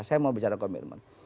saya mau bicara komitmen